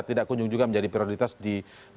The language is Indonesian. tidak kunjung juga menjadi prioritas di dua ribu dua puluh